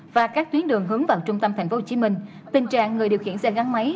và các tuyến đường hướng vào trung tâm tp hcm tình trạng người điều khiển xe gắn máy